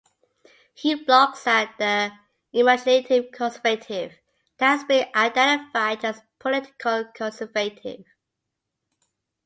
He blogs at The Imaginative Conservative and has been identified as a political conservative.